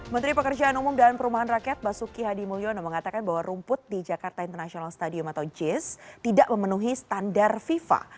menteri pekerjaan umum dan perumahan rakyat basuki hadi mulyono mengatakan bahwa rumput di jakarta international stadium atau jis tidak memenuhi standar fifa